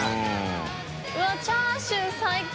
うわっチャーシュー最高！